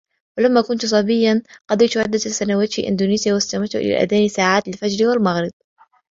ولما كنت صبيا قضيت عدة سنوات في إندونيسيا واستمعت إلى الآذان ساعات الفجر والمغرب